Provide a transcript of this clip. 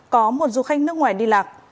có một du khách nước ngoài đi lạc